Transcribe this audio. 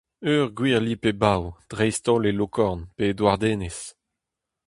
Ur gwir lip-e-bav, dreist-holl e Lokorn pe e Douarnenez.